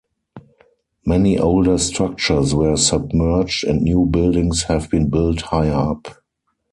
Many older structures were submerged, and new buildings have been built higher up.